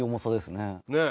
ねえ。